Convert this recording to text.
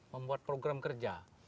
membuat program kerja